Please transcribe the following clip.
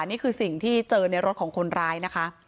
นี่คือสิ่งที่เจอในรถของคนร้ายนะคะ